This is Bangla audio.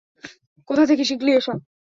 কোথা থেকে শিখলি এসব?